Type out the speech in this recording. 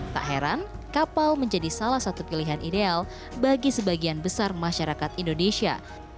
tak heran kapal menjadi salah satu pilihan ideal bagi sebagian besar masyarakat indonesia